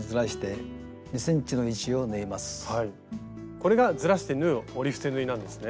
これがずらして縫う折り伏せ縫いなんですね。